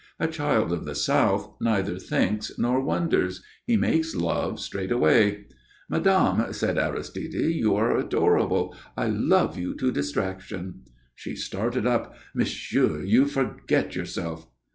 A child of the South neither thinks nor wonders; he makes love straight away. "Madame," said Aristide, "you are adorable, and I love you to distraction." She started up. "Monsieur, you forget yourself!"